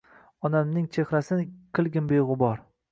Onamning chexrasin kilgin begubor